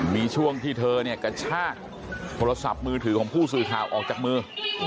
มีช่วงที่เธอเนี่ยกระชากโทรศัพท์มือถือของผู้สื่อข่าวออกจากมือ